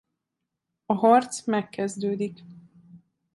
A harc megkezdődik.